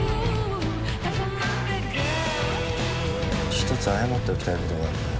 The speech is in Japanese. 一つ謝っておきたいことがあんだよ。